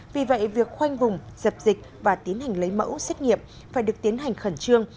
vì vậy việc khoanh vùng dập dịch và tiến hành lấy mẫu xét nghiệm phải được tiến hành khẩn trương